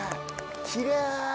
きれい！